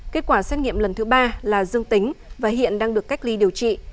kết quả xét nghiệm lần thứ ba là dương tính và hiện đang được cách ly điều trị